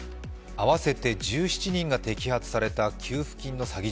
合わせて１７人が摘発された持続化給付金詐欺。